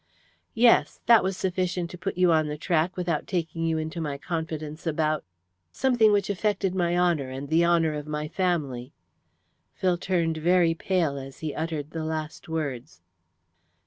"Yes. That was sufficient to put you on the track without taking you into my confidence about ... something which affected my honour and the honour of my family." Phil turned very pale as he uttered the last words.